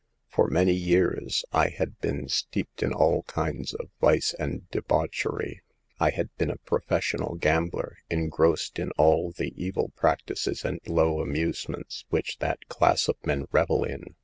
For many years I had been steeped in all kinds of vice and debauchery ; I had been a professional gambler, engrossed in all the evil practices and low amusements which that class of men revel in.